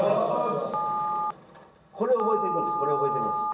これを覚えていくんです。